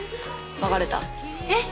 別れたえっ？